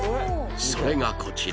それがこちら